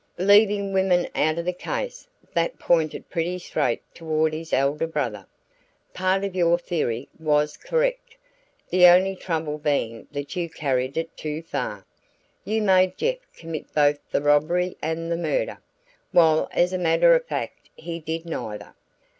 Leaving women out of the case, that pointed pretty straight toward his elder brother. Part of your theory was correct, the only trouble being that you carried it too far. You made Jeff commit both the robbery and the murder, while as a matter of fact he did neither.